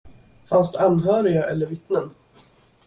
Fanns det anhöriga eller vittnen?